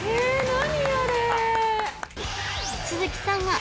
何